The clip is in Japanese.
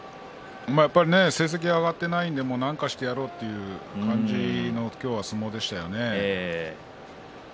やはり成績が挙がっていませんので何かしてやろうという感じの相撲でしたね。